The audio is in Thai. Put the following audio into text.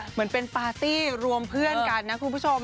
เหมือนเป็นปาร์ตี้รวมเพื่อนกันนะคุณผู้ชม